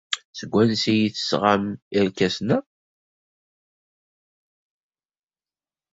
Seg wansi ay d-tesɣam irkasen-a?